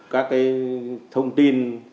các cái thông tin